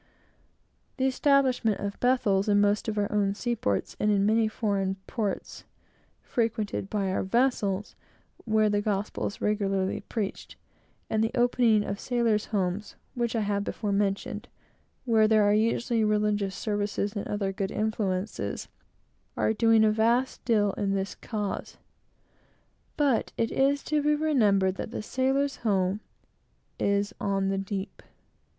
The establishment of Bethels in most of our own seaports, and in many foreign ports frequented by our vessels, where the gospel is regularly preached and the opening of "Sailors' Homes," which I have before mentioned, where there are usually religious services and other good influences, are doing a vast deal in this cause. But it is to be remembered that the sailor's home is on the deep.